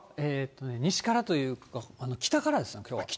西からというか、北からですね。